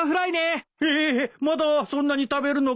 ええっまだそんなに食べるのかい？